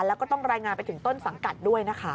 แล้วก็ต้องรายงานไปถึงต้นสังกัดด้วยนะคะ